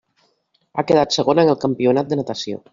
Ha quedat segona en el campionat de natació.